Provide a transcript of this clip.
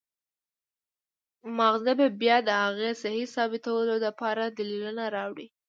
مازغه به بيا د هغې سهي ثابتولو د پاره دليلونه راوړي